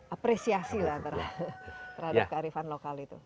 apresiasi lah terhadap kearifan lokal itu